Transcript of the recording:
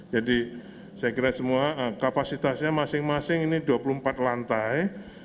jadi saya kira semua kapasitasnya masing masing ini dua puluh empat lantai